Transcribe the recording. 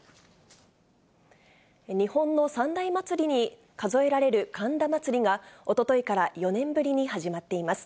日本の三大祭りに数えられる神田祭が、おとといから４年ぶりに始まっています。